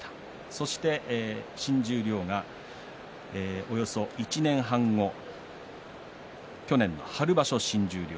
そして新十両がおよそ１年半後去年の春場所、新十両。